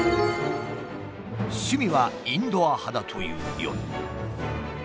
趣味はインドア派だという４人。